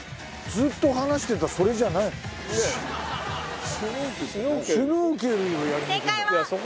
ずっと話してたそれじゃないの？